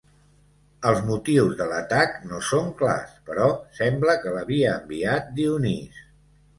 Els motius de l'atac no són clars, però sembla que l'havia enviat Dionís.